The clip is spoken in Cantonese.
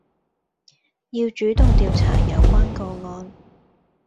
要主動調查有關個案